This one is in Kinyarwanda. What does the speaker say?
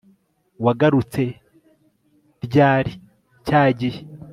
wagarutse ryari cyagihe